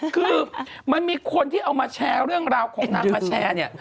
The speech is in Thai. คือมันมีคนที่เอามาแชร์เรื่องราวของนางมาแชร์เนี่ย